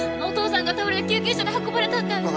お父さんが倒れて救急車で運ばれたって。